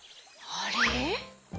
あれ？